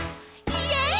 イエイ！